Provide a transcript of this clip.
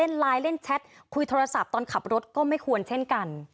ไลน์เล่นแชทคุยโทรศัพท์ตอนขับรถก็ไม่ควรเช่นกัน